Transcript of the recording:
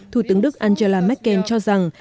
thủ tướng đức angela merkel cho rằng